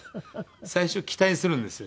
最初期待するんですよ